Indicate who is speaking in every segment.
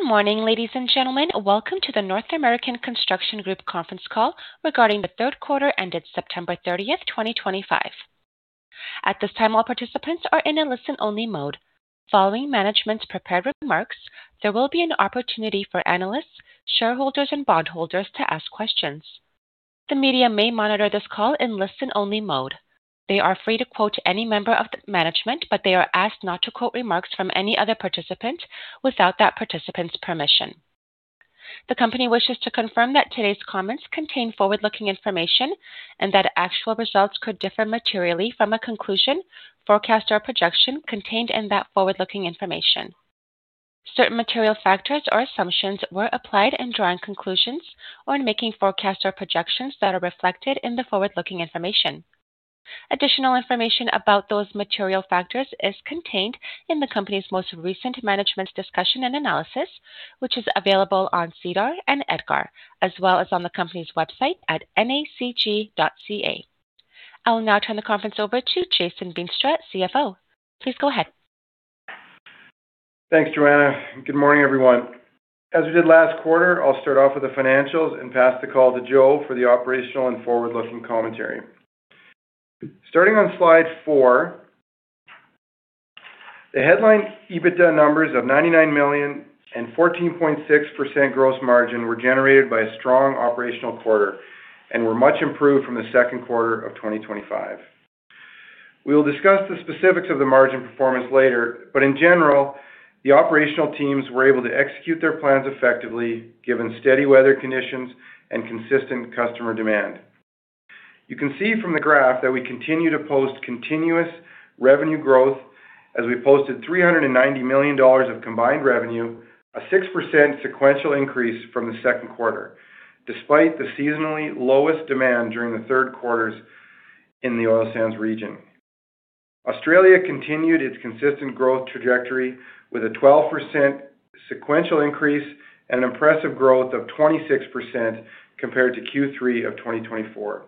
Speaker 1: Good morning, ladies and gentlemen. Welcome to the North American Construction Group conference call regarding the third quarter ended September 30, 2025. At this time, all participants are in a listen-only mode. Following management's prepared remarks, there will be an opportunity for analysts, shareholders, and bondholders to ask questions. The media may monitor this call in listen-only mode. They are free to quote any member of the management, but they are asked not to quote remarks from any other participant without that participant's permission. The company wishes to confirm that today's comments contain forward-looking information and that actual results could differ materially from a conclusion, forecast, or projection contained in that forward-looking information. Certain material factors or assumptions were applied in drawing conclusions or in making forecasts or projections that are reflected in the forward-looking information. Additional information about those material factors is contained in the company's most recent management discussion and analysis, which is available on SEDAR and EDGAR, as well as on the company's website at nacg.ca. I will now turn the conference over to Jason Veenstra, CFO. Please go ahead.
Speaker 2: Thanks, Joanna. Good morning, everyone. As we did last quarter, I'll start off with the financials and pass the call to Joe for the operational and forward-looking commentary. Starting on slide four, the headline EBITDA numbers of 99 million and 14.6% gross margin were generated by a strong operational quarter and were much improved from the second quarter of 2025. We will discuss the specifics of the margin performance later, but in general, the operational teams were able to execute their plans effectively given steady weather conditions and consistent customer demand. You can see from the graph that we continue to post continuous revenue growth as we posted 390 million dollars of combined revenue, a 6% sequential increase from the second quarter, despite the seasonally lowest demand during the third quarters in the oil sands region. Australia continued its consistent growth trajectory with a 12% sequential increase and an impressive growth of 26% compared to Q3 of 2024.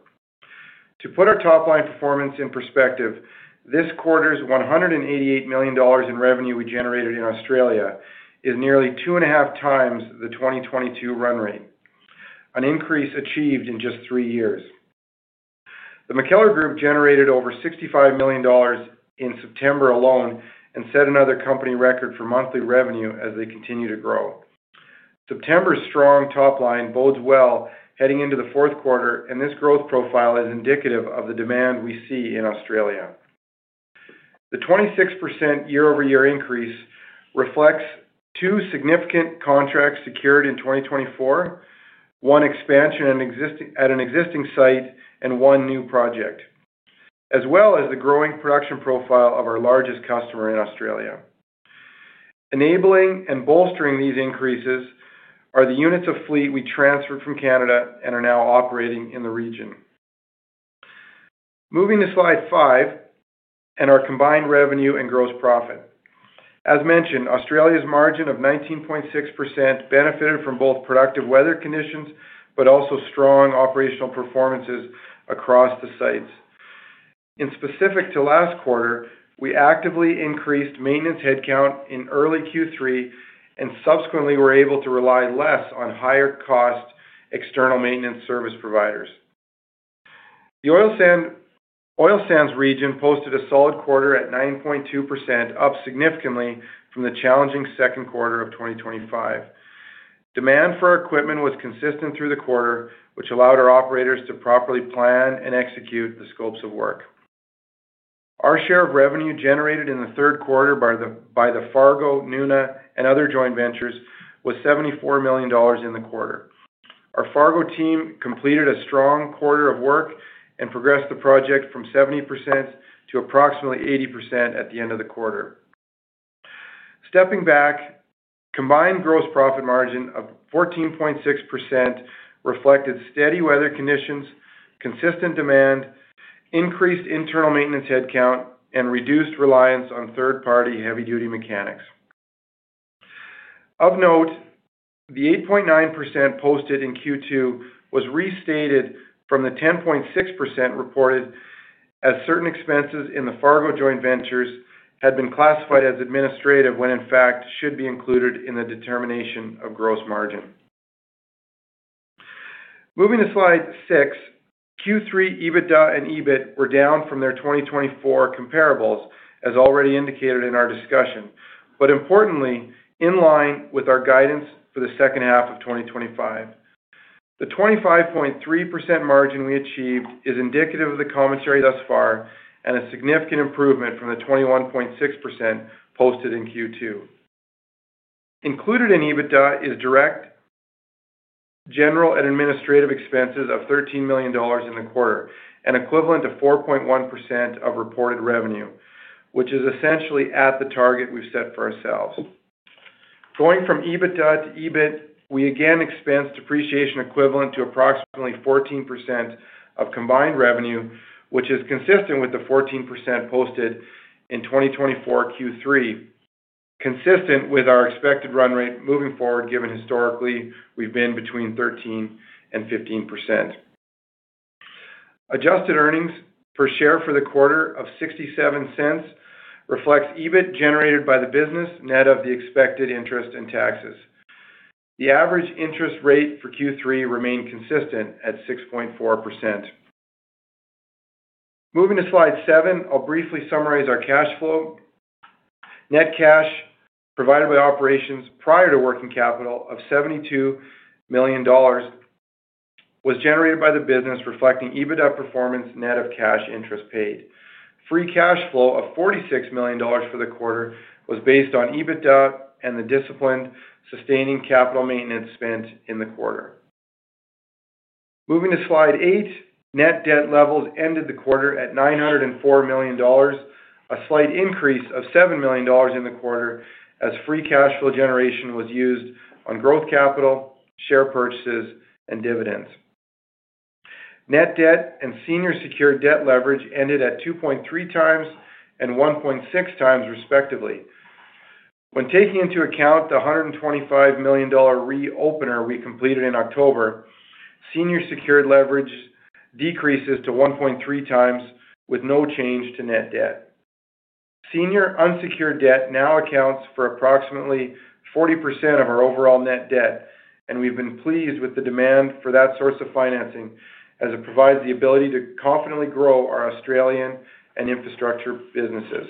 Speaker 2: To put our top-line performance in perspective, this quarter's 188 million dollars in revenue we generated in Australia is nearly two and a half times the 2022 run rate, an increase achieved in just three years. The McKellar Group generated over 65 million dollars in September alone and set another company record for monthly revenue as they continue to grow. September's strong top-line bodes well heading into the fourth quarter, and this growth profile is indicative of the demand we see in Australia. The 26% year-over-year increase reflects two significant contracts secured in 2024, one expansion at an existing site and one new project, as well as the growing production profile of our largest customer in Australia. Enabling and bolstering these increases are the units of fleet we transferred from Canada and are now operating in the region. Moving to slide five and our combined revenue and gross profit. As mentioned, Australia's margin of 19.6% benefited from both productive weather conditions but also strong operational performances across the sites. In specific to last quarter, we actively increased maintenance headcount in early Q3 and subsequently were able to rely less on higher-cost external maintenance service providers. The oil sands region posted a solid quarter at 9.2%, up significantly from the challenging second quarter of 2025. Demand for equipment was consistent through the quarter, which allowed our operators to properly plan and execute the scopes of work. Our share of revenue generated in the third quarter by the Fargo, Nuna, and other joint ventures was 74 million dollars in the quarter. Our Fargo team completed a strong quarter of work and progressed the project from 70% to approximately 80% at the end of the quarter. Stepping back, combined gross profit margin of 14.6% reflected steady weather conditions, consistent demand, increased internal maintenance headcount, and reduced reliance on third-party heavy-duty mechanics. Of note, the 8.9% posted in Q2 was restated from the 10.6% reported as certain expenses in the Fargo joint ventures had been classified as administrative when, in fact, should be included in the determination of gross margin. Moving to slide six, Q3 EBITDA and EBIT were down from their 2024 comparables, as already indicated in our discussion, but importantly, in line with our guidance for the second half of 2025. The 25.3% margin we achieved is indicative of the commentary thus far and a significant improvement from the 21.6% posted in Q2. Included in EBITDA is direct general and administrative expenses of 13 million dollars in the quarter, an equivalent to 4.1% of reported revenue, which is essentially at the target we've set for ourselves. Going from EBITDA to EBIT, we again expensed depreciation equivalent to approximately 14% of combined revenue, which is consistent with the 14% posted in 2024 Q3, consistent with our expected run rate moving forward given historically we've been between 13% and 15%. Adjusted earnings per share for the quarter of $0.67 reflects EBIT generated by the business net of the expected interest and taxes. The average interest rate for Q3 remained consistent at 6.4%. Moving to slide seven, I'll briefly summarize our cash flow. Net cash provided by operations prior to working capital of 72 million dollars was generated by the business, reflecting EBITDA performance net of cash interest paid. Free cash flow of 46 million dollars for the quarter was based on EBITDA and the disciplined sustaining capital maintenance spent in the quarter. Moving to slide eight, net debt levels ended the quarter at 904 million dollars, a slight increase of 7 million dollars in the quarter as free cash flow generation was used on growth capital, share purchases, and dividends. Net debt and senior secured debt leverage ended at 2.3x times and 1.6x times, respectively. When taking into account the 125 million dollar reopener we completed in October, senior secured leverage decreases to 1.3 times with no change to net debt. Senior unsecured debt now accounts for approximately 40% of our overall net debt, and we've been pleased with the demand for that source of financing as it provides the ability to confidently grow our Australian and infrastructure businesses.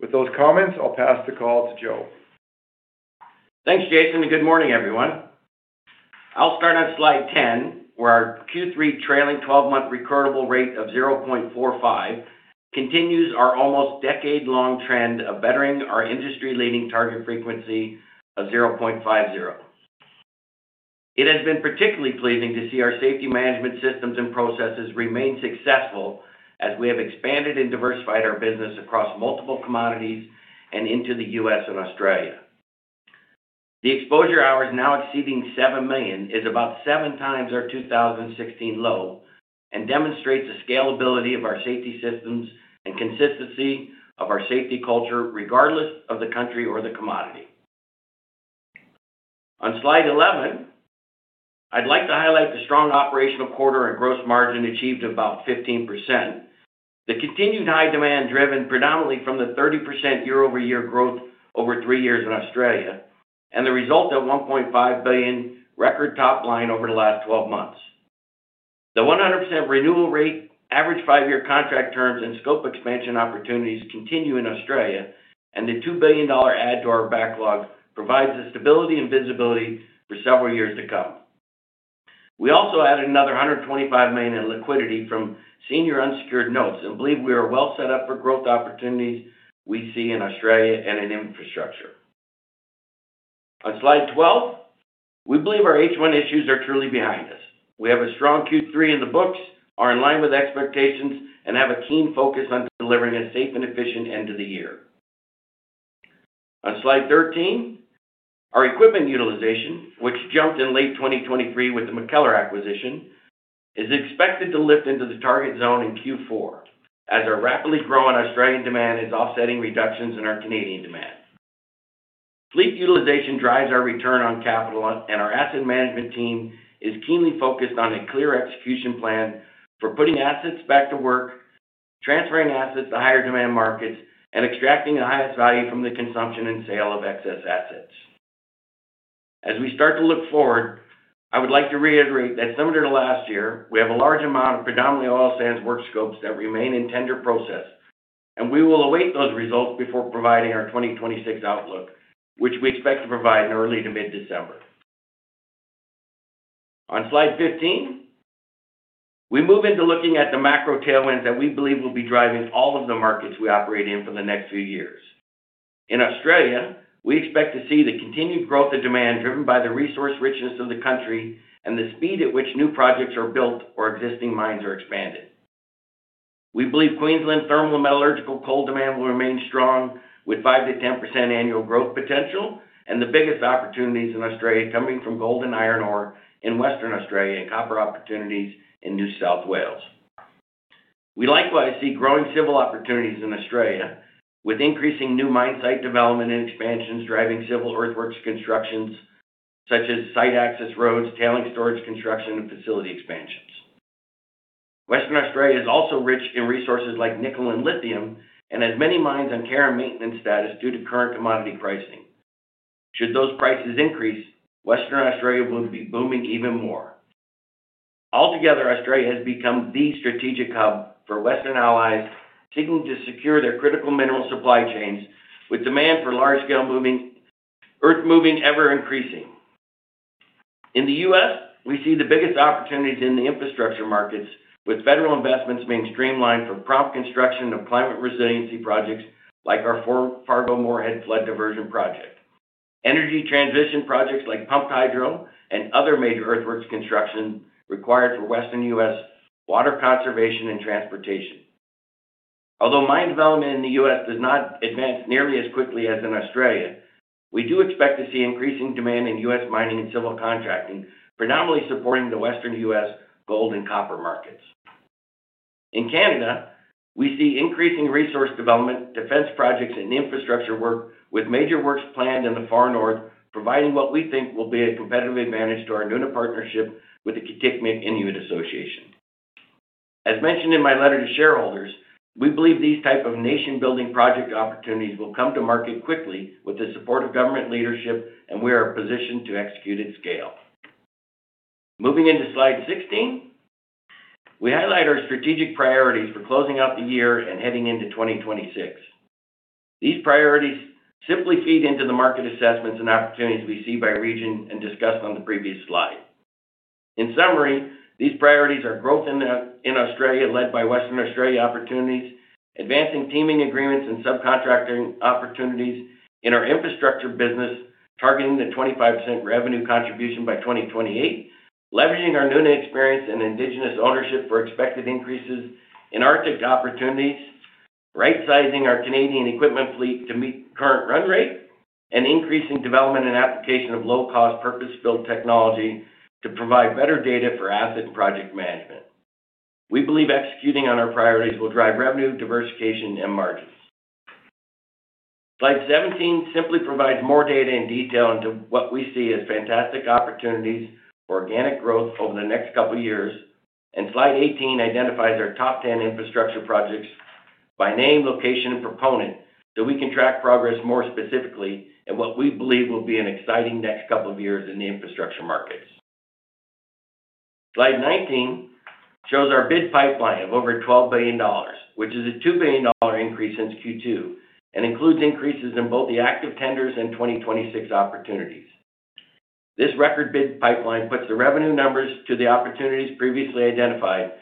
Speaker 2: With those comments, I'll pass the call to Joe.
Speaker 3: Thanks, Jason, and good morning, everyone. I'll start on slide 10, where our Q3 trailing 12-month recordable rate of 0.45 continues our almost decade-long trend of bettering our industry-leading target frequency of 0.50. It has been particularly pleasing to see our safety management systems and processes remain successful as we have expanded and diversified our business across multiple commodities and into the U.S. and Australia. The exposure hours now exceeding 7 million is about seven times our 2016 low and demonstrates the scalability of our safety systems and consistency of our safety culture regardless of the country or the commodity. On slide 11, I'd like to highlight the strong operational quarter and gross margin achieved of about 15%, the continued high demand driven predominantly from the 30% year-over-year growth over three years in Australia, and the result of 1.5 billion record top line over the last 12 months. The 100% renewal rate, average five-year contract terms, and scope expansion opportunities continue in Australia, and the 2 billion dollar add to our backlog provides the stability and visibility for several years to come. We also added another 125 million in liquidity from senior unsecured notes and believe we are well set up for growth opportunities we see in Australia and in infrastructure. On slide 12, we believe our H-1 issues are truly behind us. We have a strong Q3 in the books, are in line with expectations, and have a keen focus on delivering a safe and efficient end of the year. On slide 13, our equipment utilization, which jumped in late 2023 with the McKellar acquisition, is expected to lift into the target zone in Q4 as our rapidly growing Australian demand is offsetting reductions in our Canadian demand. Fleet utilization drives our return on capital, and our asset management team is keenly focused on a clear execution plan for putting assets back to work, transferring assets to higher demand markets, and extracting the highest value from the consumption and sale of excess assets. As we start to look forward, I would like to reiterate that similar to last year, we have a large amount of predominantly oil sands work scopes that remain in tender process, and we will await those results before providing our 2026 outlook, which we expect to provide in early to mid-December. On slide 15, we move into looking at the macro tailwinds that we believe will be driving all of the markets we operate in for the next few years. In Australia, we expect to see the continued growth of demand driven by the resource richness of the country and the speed at which new projects are built or existing mines are expanded. We believe Queensland thermal and metallurgical coal demand will remain strong with 5-10% annual growth potential and the biggest opportunities in Australia coming from gold and iron ore in Western Australia and Copper opportunities in New South Wales. We likewise see growing civil opportunities in Australia with increasing new mine site development and expansions driving civil earthworks constructions such as site access roads, tailing storage construction, and facility expansions. Western Australia is also rich in resources like nickel and lithium and has many mines on care and maintenance status due to current commodity pricing. Should those prices increase, Western Australia will be booming even more. Altogether, Australia has become the strategic hub for Western allies seeking to secure their critical mineral supply chains with demand for large-scale earth moving ever increasing. In the U.S., we see the biggest opportunities in the infrastructure markets with federal investments being streamlined for prompt construction of climate resiliency projects like our Fargo-Moorhead flood diversion project, energy transition projects like pumped hydro, and other major earthworks construction required for Western U.S. water conservation and transportation. Although mine development in the U.S. does not advance nearly as quickly as in Australia, we do expect to see increasing demand in U.S. mining and civil contracting, predominantly supporting the Western U.S. Gold and Copper markets. In Canada, we see increasing resource development, defense projects, and infrastructure work with major works planned in the far north, providing what we think will be a competitive advantage to our Nuna partnership with the Kitikmeot Inuit Association. As mentioned in my letter to shareholders, we believe these types of nation-building project opportunities will come to market quickly with the support of government leadership, and we are positioned to execute at scale. Moving into slide 16, we highlight our strategic priorities for closing out the year and heading into 2026. These priorities simply feed into the market assessments and opportunities we see by region and discussed on the previous slide. In summary, these priorities are growth in Australia led by Western Australia opportunities, advancing teaming agreements and subcontracting opportunities in our infrastructure business, targeting the 25% revenue contribution by 2028, leveraging our Nuna experience and indigenous ownership for expected increases in Arctic opportunities, right-sizing our Canadian equipment fleet to meet current run rate, and increasing development and application of low-cost purpose-filled technology to provide better data for asset and project management. We believe executing on our priorities will drive revenue, diversification, and margins. Slide 17 simply provides more data and detail into what we see as fantastic opportunities for organic growth over the next couple of years, and slide 18 identifies our top 10 infrastructure projects by name, location, and proponent so we can track progress more specifically in what we believe will be an exciting next couple of years in the infrastructure markets. Slide 19 shows our bid pipeline of over 12 billion dollars, which is a 2 billion dollar increase since Q2 and includes increases in both the active tenders and 2026 opportunities. This record bid pipeline puts the revenue numbers to the opportunities previously identified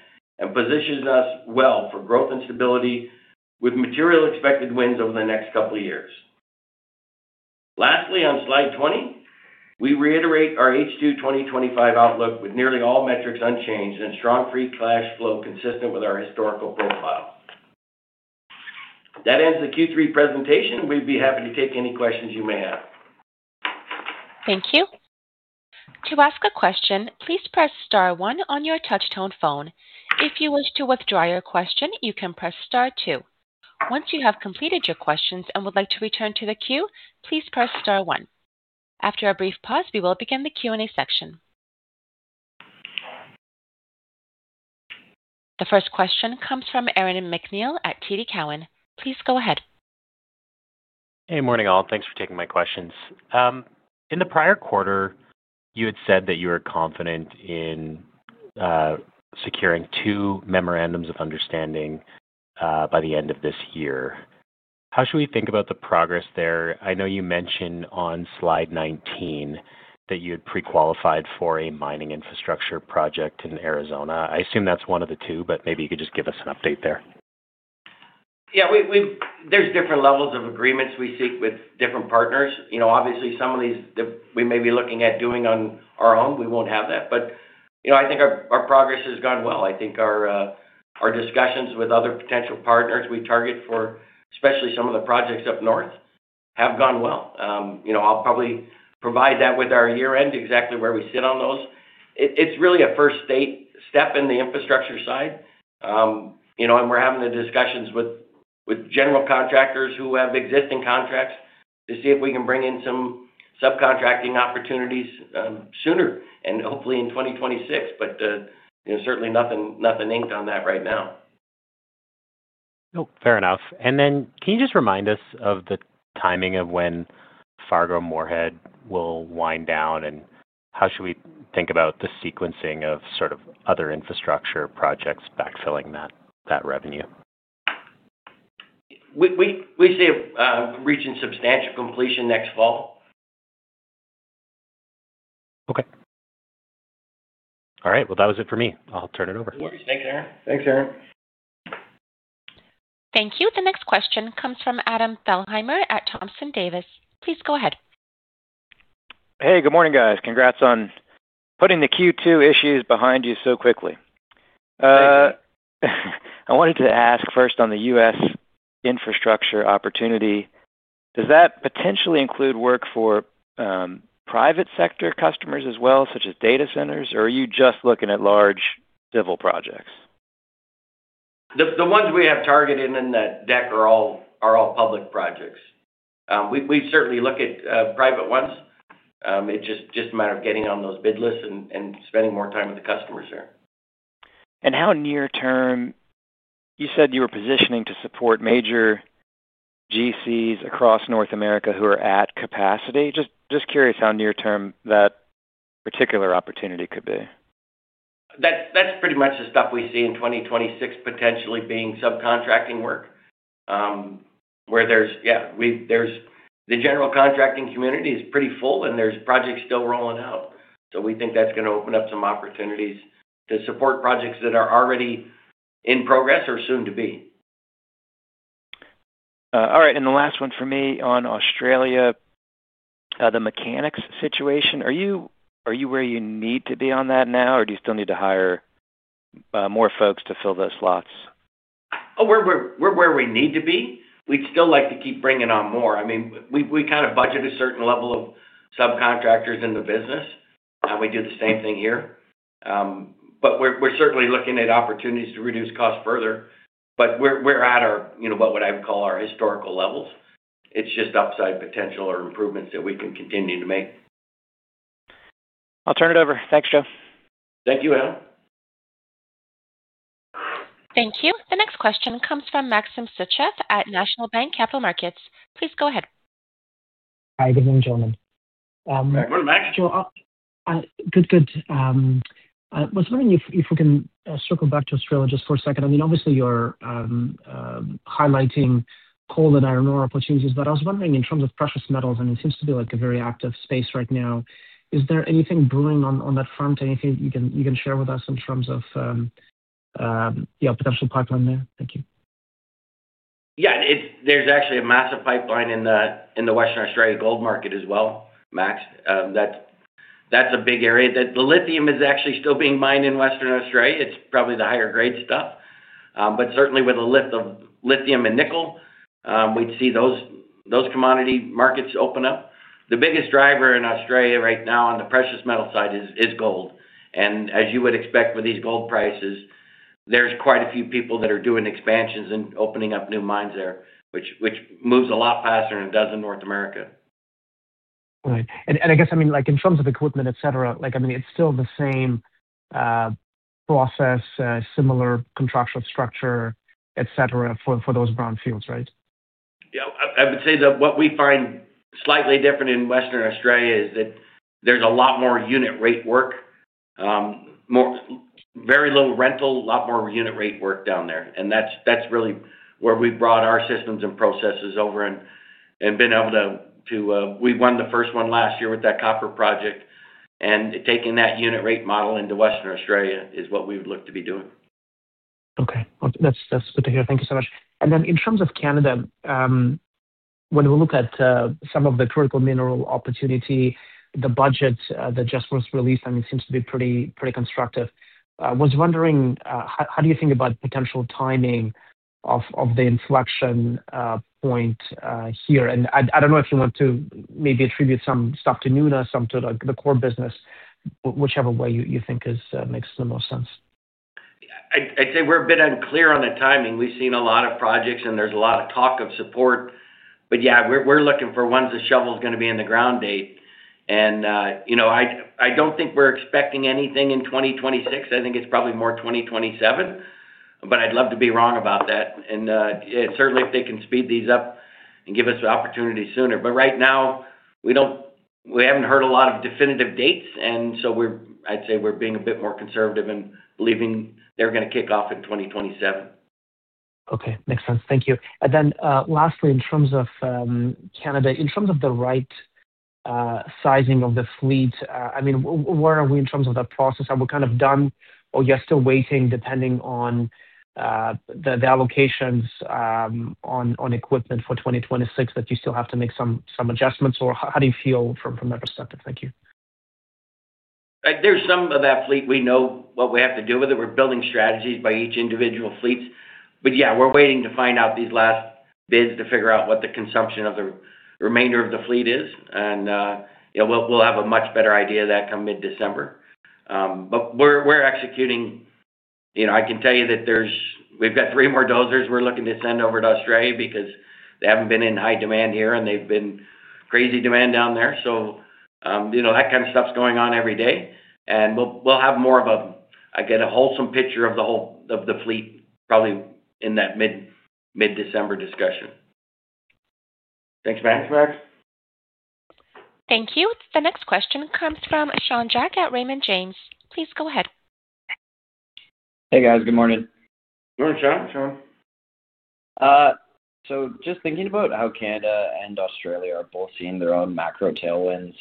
Speaker 3: and positions us well for growth and stability with material expected wins over the next couple of years. Lastly, on slide 20, we reiterate our H-2 2025 outlook with nearly all metrics unchanged and strong free cash flow consistent with our historical profile. That ends the Q3 presentation. We'd be happy to take any questions you may have.
Speaker 1: Thank you. To ask a question, please press Star 1 on your touch-tone phone. If you wish to withdraw your question, you can press Star 2. Once you have completed your questions and would like to return to the queue, please press Star 1. After a brief pause, we will begin the Q&A section. The first question comes from Aaron MacNeil at TD Cowen. Please go ahead.
Speaker 4: Hey, morning all. Thanks for taking my questions. In the prior quarter, you had said that you were confident in securing two memorandums of understanding by the end of this year. How should we think about the progress there? I know you mentioned on slide 19 that you had pre-qualified for a mining infrastructure project in Arizona. I assume that's one of the two, but maybe you could just give us an update there.
Speaker 3: Yeah, there's different levels of agreements we seek with different partners. Obviously, some of these we may be looking at doing on our own. We won't have that, but I think our progress has gone well. I think our discussions with other potential partners we target for, especially some of the projects up north, have gone well. I'll probably provide that with our year-end exactly where we sit on those. It's really a first step in the infrastructure side, and we're having the discussions with general contractors who have existing contracts to see if we can bring in some subcontracting opportunities sooner and hopefully in 2026, but certainly nothing inked on that right now.
Speaker 4: Fair enough. Can you just remind us of the timing of when Fargo-Moorhead will wind down, and how should we think about the sequencing of sort of other infrastructure projects backfilling that revenue?
Speaker 3: We see reaching substantial completion next fall.
Speaker 4: Okay. All right. That was it for me. I'll turn it over.
Speaker 3: Thanks, Aaron.
Speaker 1: Thank you. The next question comes from Adam Thalhime at Thompson Davis. Please go ahead.
Speaker 5: Hey, good morning, guys. Congrats on putting the Q2 issues behind you so quickly. I wanted to ask first on the U.S. infrastructure opportunity. Does that potentially include work for private sector customers as well, such as data centers, or are you just looking at large civil projects?
Speaker 3: The ones we have targeted in that deck are all public projects. We certainly look at private ones. It is just a matter of getting on those bid lists and spending more time with the customers there.
Speaker 5: How near-term? You said you were positioning to support major GCs across North America who are at capacity. Just curious how near-term that particular opportunity could be.
Speaker 3: That's pretty much the stuff we see in 2026 potentially being subcontracting work where there's the general contracting community is pretty full, and there's projects still rolling out. We think that's going to open up some opportunities to support projects that are already in progress or soon to be.
Speaker 5: All right. The last one for me on Australia, the mechanics situation. Are you where you need to be on that now, or do you still need to hire more folks to fill those slots?
Speaker 3: We're where we need to be. We'd still like to keep bringing on more. I mean, we kind of budget a certain level of subcontractors in the business, and we do the same thing here. We're certainly looking at opportunities to reduce costs further, but we're at what I would call our historical levels. It's just upside potential or improvements that we can continue to make.
Speaker 5: I'll turn it over. Thanks, Joe.
Speaker 3: Thank you, Adam.
Speaker 1: Thank you. The next question comes from Maxim Sytchev at National Bank Capital Markets. Please go ahead.
Speaker 6: Hi, good morning, gentlemen.
Speaker 3: Good morning, Maxim.
Speaker 6: Good, good. I was wondering if we can circle back to Australia just for a second. I mean, obviously, you're highlighting coal and iron ore opportunities, but I was wondering in terms of precious metals, and it seems to be a very active space right now. Is there anything brewing on that front? Anything you can share with us in terms of your potential pipeline there? Thank you.
Speaker 3: Yeah, there's actually a massive pipeline in the Western Australia gold market as well, Max. That's a big area. The lithium is actually still being mined in Western Australia. It's probably the higher-grade stuff. Certainly, with a lift of lithium and nickel, we'd see those commodity markets open up. The biggest driver in Australia right now on the precious metal side is gold. As you would expect with these gold prices, there's quite a few people that are doing expansions and opening up new mines there, which moves a lot faster than it does in North America.
Speaker 6: Right. I guess, I mean, in terms of equipment, etc., I mean, it's still the same process, similar contractual structure, etc., for those brownfields, right?
Speaker 3: Yeah, I would say that what we find slightly different in Western Australia is that there is a lot more unit-rate work, very little rental, a lot more unit-rate work down there. That is really where we have brought our systems and processes over and been able to—we won the first one last year with that Copper project. Taking that unit-rate model into Western Australia is what we would look to be doing.
Speaker 6: Okay. That's good to hear. Thank you so much. In terms of Canada, when we look at some of the critical mineral opportunity, the budget that just was released, I mean, seems to be pretty constructive. I was wondering, how do you think about potential timing of the inflection point here? I do not know if you want to maybe attribute some stuff to Nuna, some to the core business, whichever way you think makes the most sense.
Speaker 3: I'd say we're a bit unclear on the timing. We've seen a lot of projects, and there's a lot of talk of support. Yeah, we're looking for once the shovel's going to be in the ground date. I don't think we're expecting anything in 2026. I think it's probably more 2027, but I'd love to be wrong about that. Certainly, if they can speed these up and give us the opportunity sooner. Right now, we haven't heard a lot of definitive dates, so I'd say we're being a bit more conservative and believing they're going to kick off in 2027.
Speaker 6: Okay. Makes sense. Thank you. Lastly, in terms of Canada, in terms of the right sizing of the fleet, I mean, where are we in terms of that process? Are we kind of done, or you're still waiting, depending on the allocations on equipment for 2026, that you still have to make some adjustments? How do you feel from that perspective? Thank you.
Speaker 3: is some of that fleet we know what we have to do with it. We are building strategies by each individual fleet. Yeah, we are waiting to find out these last bids to figure out what the consumption of the remainder of the fleet is. We will have a much better idea of that come mid-December. We are executing. I can tell you that we have got three more dozers we are looking to send over to Australia because they have not been in high demand here, and they have been crazy demand down there. That kind of stuff is going on every day. We will have more of a—I get a wholesome picture of the fleet probably in that mid-December discussion. Thanks, Max.
Speaker 1: Thank you. The next question comes from Sean Jack at Raymond James. Please go ahead.
Speaker 7: Hey, guys. Good morning.
Speaker 3: Good morning, Sean.
Speaker 7: Just thinking about how Canada and Australia are both seeing their own macro tailwinds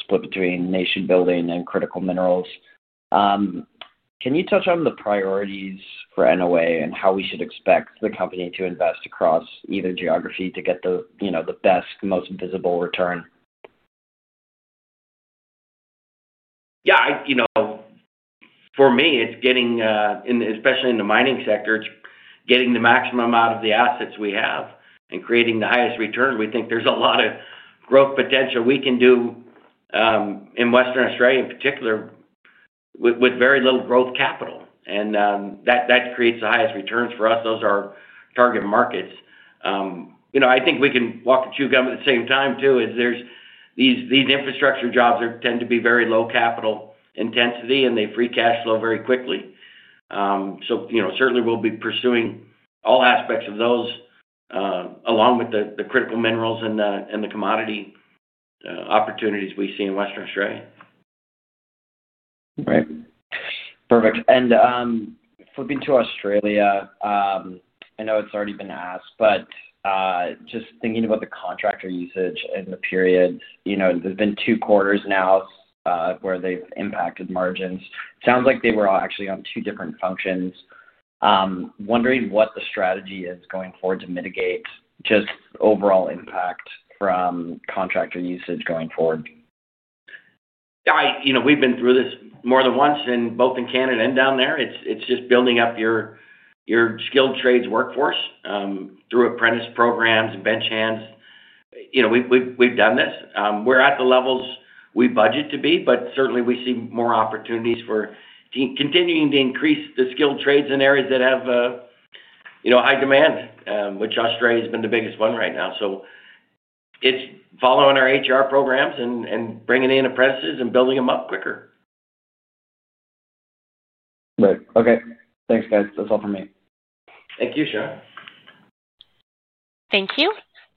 Speaker 7: split between nation-building and critical minerals, can you touch on the priorities for NOA and how we should expect the company to invest across either geography to get the best, most visible return?
Speaker 3: Yeah. For me, it's getting—and especially in the mining sector—it's getting the maximum out of the assets we have and creating the highest return. We think there's a lot of growth potential we can do in Western Australia, in particular, with very little growth capital. That creates the highest returns for us. Those are our target markets. I think we can walk and chew gum at the same time, too, as these infrastructure jobs tend to be very low capital intensity, and they free cash flow very quickly. Certainly, we'll be pursuing all aspects of those along with the critical minerals and the commodity opportunities we see in Western Australia.
Speaker 7: Right. Perfect. Flipping to Australia, I know it's already been asked, but just thinking about the contractor usage and the period, there have been two quarters now where they've impacted margins. It sounds like they were actually on two different functions. Wondering what the strategy is going forward to mitigate just overall impact from contractor usage going forward.
Speaker 3: Yeah, we've been through this more than once in both Canada and down there. It's just building up your skilled trades workforce through apprentice programs and bench hands. We've done this. We're at the levels we budget to be, but certainly, we see more opportunities for continuing to increase the skilled trades in areas that have high demand, which Australia has been the biggest one right now. It's following our HR programs and bringing in apprentices and building them up quicker.
Speaker 7: Right. Okay. Thanks, guys. That's all for me.
Speaker 3: Thank you, Sean.
Speaker 1: Thank you.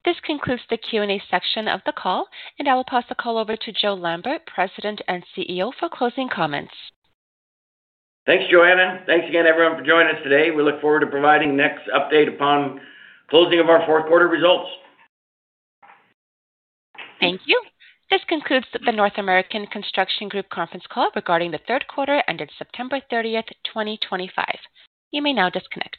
Speaker 1: This concludes the Q&A section of the call, and I will pass the call over to Joe Lambert, President and CEO, for closing comments.
Speaker 3: Thanks, Joanna. Thanks again, everyone, for joining us today. We look forward to providing the next update upon closing of our fourth quarter results.
Speaker 1: Thank you. This concludes the North American Construction Group Conference Call regarding the third quarter ended September 30, 2025. You may now disconnect.